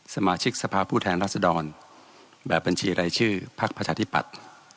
สมาชิกสภาพูดแทนรัฐศดรแบบบัญชีไร้ชื่อภักดิ์ภาชาธิปัตย์